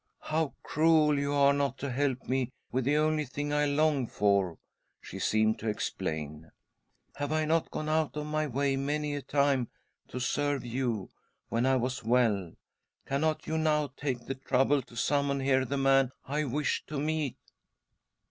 " How cruel you are not to help me with the only thing I long for," she seemed to explain. " Have I not gdne out of my way many a time to serve you when I was well, cannot you now take the trouble to summon here the man I wish to meet